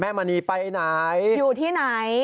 มณีไปไหนอยู่ที่ไหน